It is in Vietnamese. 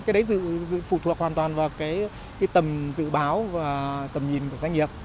cái đấy phụ thuộc hoàn toàn vào cái tầm dự báo và tầm nhìn của doanh nghiệp